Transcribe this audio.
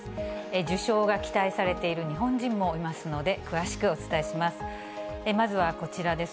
受賞が期待されている日本人もいますので、詳しくお伝えします。